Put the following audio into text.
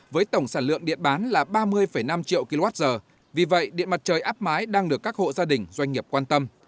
với tổng sản lượng điện bán là ba mươi năm triệu kwh vì vậy điện mặt trời áp mái đang được các hộ gia đình doanh nghiệp quan tâm